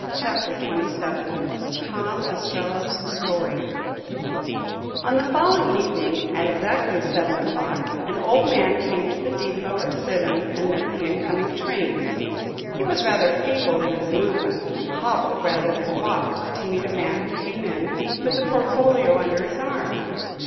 CHAPTER XXVII TOM OSTRELLO'S STORY On the following evening, at exactly seven o'clock, an old man came to the depot at Sidham and met the incoming train. He was rather feeble in his movements and hobbled rather than walked to meet a man who came in with a portfolio under his arm.